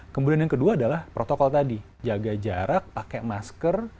kemudian yang kedua adalah protokol tadi jaga jarak pakai masker